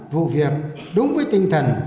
vụ việc đúng với tinh thần